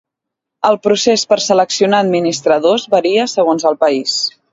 El procés per seleccionar administradors varia segons el país.